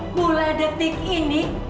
mulai detik ini